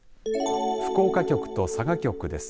福岡局と佐賀局です。